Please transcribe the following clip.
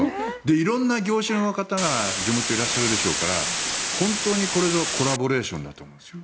色んな業種の方が地元、いらっしゃるでしょうから本当にこれぞコラボレーションだと思うんですよ。